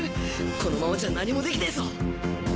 このままじゃ何もできねえぞ